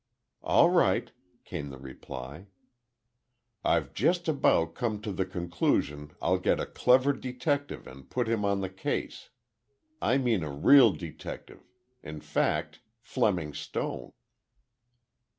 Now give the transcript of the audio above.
"All right," came the reply. "I've just about come to the conclusion I'll get a clever detective and put him on the case. I mean a real detective—in fact, Fleming Stone."